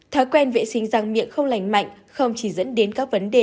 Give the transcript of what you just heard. thói quen vệ sinh răng miệng không lành mạnh không chỉ dẫn đến các vấn đề